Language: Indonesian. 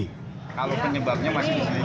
kalau penyebabnya masih diselisih